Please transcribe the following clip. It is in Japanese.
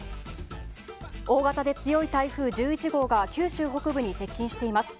大型で強い台風１１号が九州北部に接近しています。